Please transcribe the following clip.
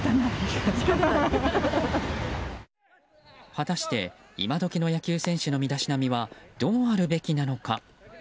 果たして今どきの野球選手の身だしなみはどうあるべきなのか。